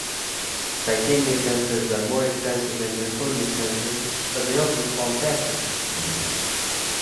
Titania sensors are more expensive than zirconia sensors, but they also respond faster.